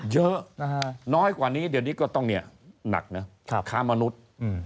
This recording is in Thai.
เยอะน้อยกว่านี้เดี๋ยวนี้ก็ต้องเนี่ยหนักนะค้ามนุษย์